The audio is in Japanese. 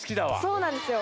そうなんですよ。